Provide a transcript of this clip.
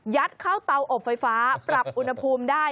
เข้าเตาอบไฟฟ้าปรับอุณหภูมิได้